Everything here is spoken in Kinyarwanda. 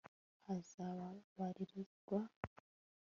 bazababarirwa